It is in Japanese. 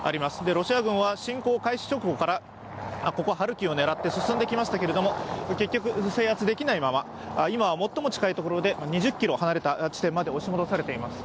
ロシア軍は侵攻開始直後から、ここハルキウを狙って進んできましたけれども、結局、制圧できないまま、今、最も近い所で２０ｋｍ離れた所まで押し戻されています。